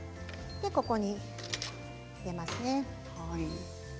ここに入れますね。